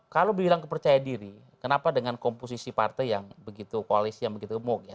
kalau dibilang kepercayaan diri kenapa dengan komposisi partai yang begitu koalisi yang begitu gemuk ya